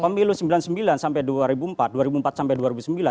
pemilu sembilan puluh sembilan sampai dua ribu empat dua ribu empat sampai dua ribu sembilan